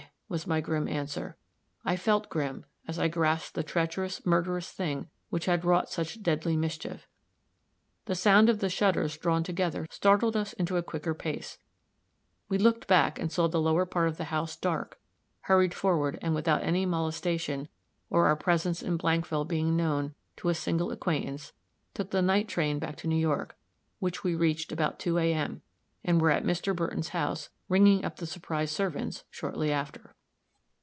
was my grim answer; I felt grim, as I grasped the treacherous, murderous thing which had wrought such deadly mischief. The sound of shutters drawn together startled us into a quicker pace; we looked back and saw the lower part of the house dark hurried forward, and without any molestation, or our presence in Blankville being known to a single acquaintance, took the night train back to New York, which we reached about two, A. M. and were at Mr. Burton's house, ringing up the surprised servants, shortly after.